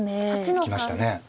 いきました。